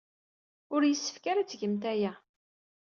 Ur yessefk ara ad tgemt aya.